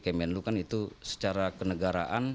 kemenlu kan itu secara kenegaraan